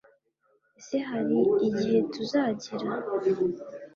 ese hari igihe tuzagira